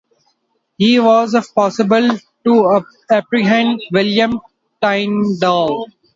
He was, if possible, to apprehend William Tyndale.